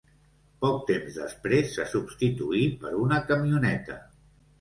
Poc temps després se substituí per una camioneta.